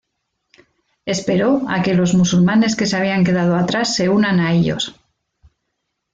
Esperó a que los musulmanes que se habían quedado atrás se unan a ellos.